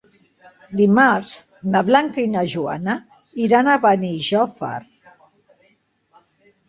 Dimarts na Blanca i na Joana iran a Benijòfar.